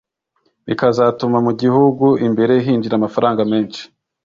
bikazatuma mu gihugu imbere hinjira amafaranga menshi